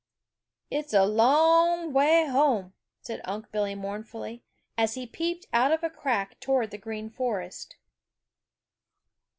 "It's a long way home," said Unc' Billy mournfully, as he peeped out of a crack toward the Green Forest.